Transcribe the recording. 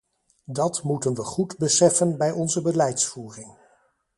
Dat moeten we goed beseffen bij onze beleidsvoering.